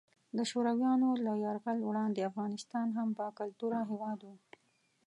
د شورویانو له یرغل وړاندې افغانستان هم باکلتوره هیواد وو.